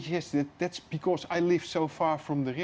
ya ya itu karena saya hidup di jauh dari sungai